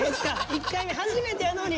１回目初めてやのに！